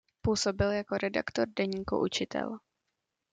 Působil jako redaktor deníku "Učitel".